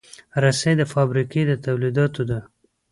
رسۍ د فابریکې له تولیداتو ده.